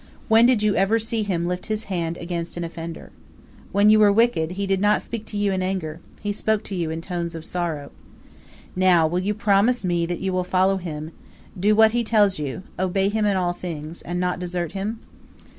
When did you ever see him lift his hand against an offender? When you were wicked, he did not speak to you in anger he spoke to you in tones of sorrow. Now, will you promise me that you will follow him do what he tells you, obey him in all things, and not desert him?"